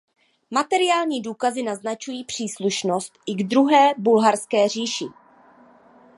Materiální důkazy naznačují příslušnost i k druhé bulharské říši.